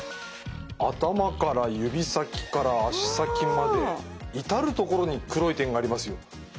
頭から指先から足先まで至る所に黒い点がありますよ。